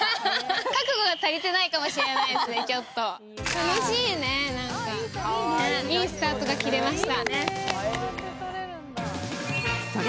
うれしいね、何かいいスタートが切れました。